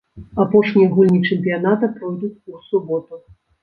Апошнія гульні чэмпіянату пройдуць у суботу.